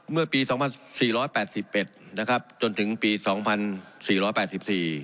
เมื่อปีสองพันสี่ร้อยแปดสิบเอ็ดนะครับจนถึงปีสองพันสี่ร้อยแปดสิบสี่